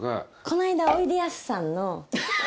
この間おいでやすさんの。